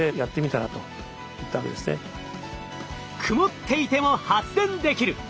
曇っていても発電できる！